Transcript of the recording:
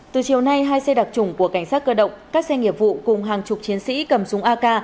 từ chiều nay hai xe đặc trùng của cảnh sát cơ động các xe nghiệp vụ cùng hàng chục chiến sĩ cầm súng ak